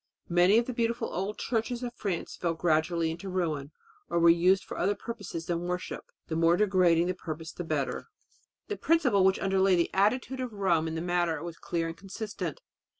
Many of the beautiful old churches of France fell gradually into ruin, or were used for other purposes than worship the more degrading the purpose the better. The principle which underlay the attitude of Rome in the matter was clear and consistent.